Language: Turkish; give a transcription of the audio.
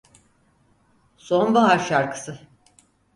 Sonbahar şarkısı!